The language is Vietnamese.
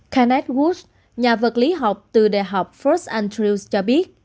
kenneth wood nhà vật lý học từ đại học fort andrews cho biết